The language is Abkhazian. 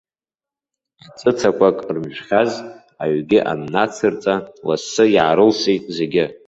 Аҵәыцақәак рымжәхьаз, аҩгьы аннацырҵа, лассы иаарылсит зегьы.